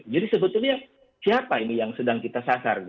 jadi sebetulnya siapa ini yang sedang kita sasar